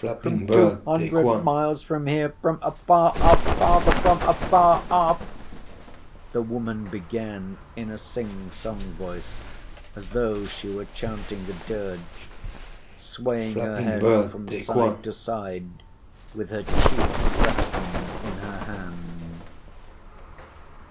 From two hundred miles from here. From afar off, Father, from afar off!" the woman began in a sing‐song voice as though she were chanting a dirge, swaying her head from side to side with her cheek resting in her hand.